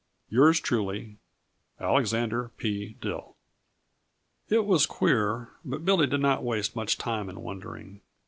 Yours truly, Alexander P. Dill It was queer, but Billy did not waste much time in wondering.